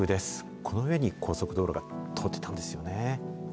この上に高速道路が通ってたんですよね。